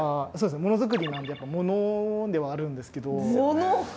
ものづくりなんでやっぱものではあるんですけどもの！？